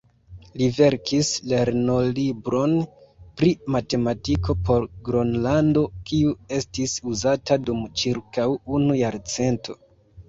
Li verkis lernolibron pri matematiko por Gronlando, kiu estis uzata dum ĉirkaŭ unu jarcento.